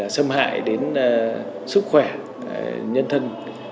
xâm hại đến sức khỏe nhân thân